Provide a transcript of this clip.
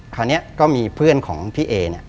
คราวนี้ก็มีเพื่อนของพี่เอเนี่ย